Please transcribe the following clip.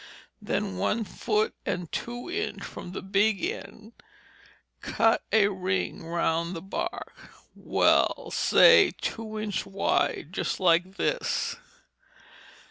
Then one foot and two inch from the big end cut a ring round the bark; wal! say two inch wide just like this.